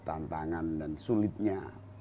tantangan dan sulitnya